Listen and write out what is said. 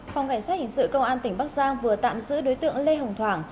phòng cảnh sát hình sự công an tỉnh bắc giang vừa tạm giữ đối tượng lê hồng thoảng